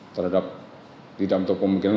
terhadap tidak untuk kemungkinan